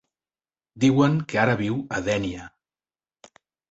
Diuen que ara viu a Dénia.